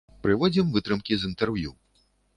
Прыводзім вытрымкі з інтэрв'ю.